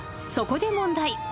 ［そこで問題］